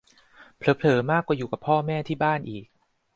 เผลอเผลอมากกว่าอยู่กับพ่อแม่ที่บ้านอีก